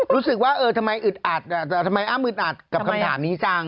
รู้สึกว่าทำไมอายำอืดอัดกับคำถามนี้จัง